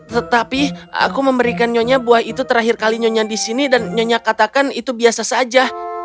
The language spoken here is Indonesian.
tetapi aku memberikan nyonya buah itu terakhir kali nyonya di sini dan nyonya katakan itu biasa saja